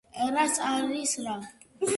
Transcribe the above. რაც არის რა?